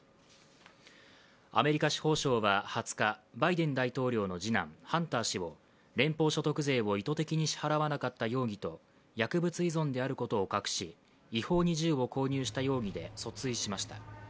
アメリカ司法省は２０日、バイデン大統領の次男・ハンター氏を連邦所得税を意図的に支払わなかった容疑と、薬物依存であることを隠し、違法に銃を購入した容疑で訴追しました。